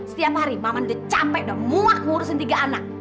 setiap hari maman capek udah muak ngurusin tiga anak